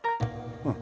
うん。